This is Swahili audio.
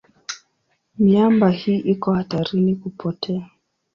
Miamba hii iko hatarini kupotea.